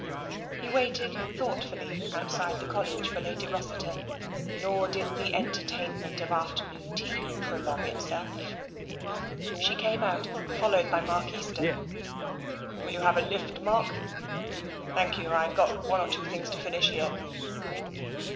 He waited thoughtfully outside the College for Lady Rossiter, nor did the entertainment of afternoon tea prolong itself. She came out, followed by Mark Easter. " Will you have a lift, Mark? "" Thank you, Fve got one or two things to finish here."